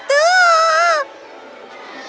tidak kami memengaruhi